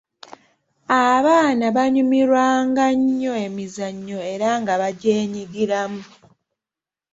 Abaana baanyumirwanga nnyo emizannyo era nga bagyenyigiramu.